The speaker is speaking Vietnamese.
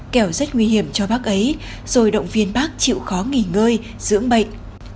kẻo rất nguy hiểm cho bác ấy rồi động viên bác chịu khó nghỉ ngơi dưỡng bệnh